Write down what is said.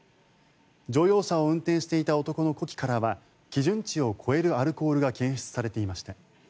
乗用車を運転していた男の呼気からは基準値を超えるアルコールが検出されていました。